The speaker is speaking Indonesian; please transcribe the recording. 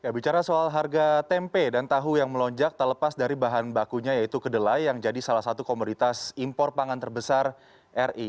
bicara soal harga tempe dan tahu yang melonjak tak lepas dari bahan bakunya yaitu kedelai yang jadi salah satu komoditas impor pangan terbesar ri